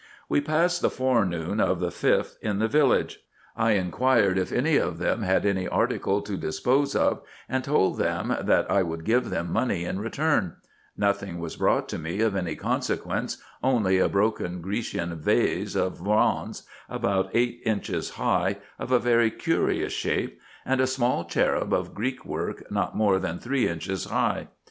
We passed the forenoon of the 5th in the village : I inquired if any of them had any articles to dispose of, and told them that I would give them money in return : nothing was brought to me of any con sequence, only a broken Grecian vase of bronze, about eight inches high, of a very curious shape ; and a small cherub of Greek work, not more than three inches high.